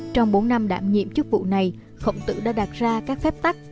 trong bốn năm đảm nhiệm chức vụ này khổng tử đã đặt ra các phép tắc